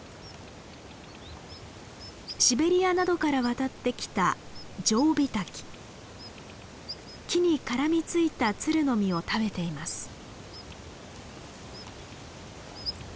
シベリアなどから渡ってきた木に絡みついたツルの実を食べています。